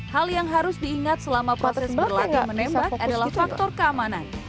hal yang harus diingat selama proses berlatih menembak adalah faktor keamanan